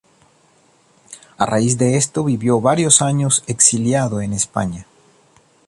A raíz de esto vivió varios años exiliado en España.